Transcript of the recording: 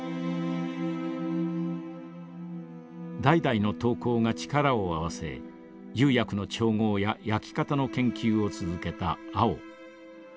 代々の陶工が力を合わせ釉薬の調合や焼き方の研究を続けた青。